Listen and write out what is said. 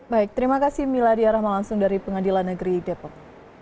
baik terima kasih miladi arhamalansung dari pengadilan negeri depok